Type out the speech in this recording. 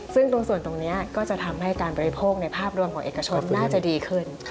ซึ่งตรงส่วนตรงนี้ก็จะทำให้การบริโภคในภาพรวมของเอกชนน่าจะดีขึ้น